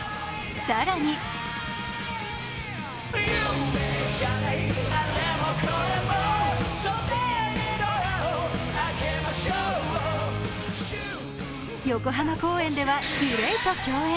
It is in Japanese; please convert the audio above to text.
更に横浜公演ではＧＬＡＹと共演。